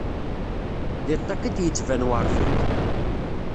Deg ṭṭiq id yeţban werfiq.